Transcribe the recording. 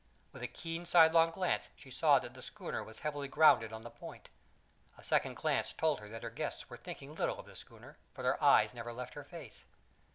With a keen sidelong glance she saw that the schooner was heavily grounded on the Point; a second glance told her that her guests were thinking little of the schooner, for their eyes never left her face.